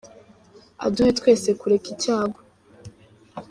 Aduhe twese kureka icyago